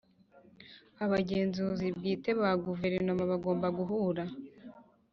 Abagenzuzi bwite ba Guverinoma bagomba guhura